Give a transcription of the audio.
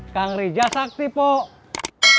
kang rija sakti pok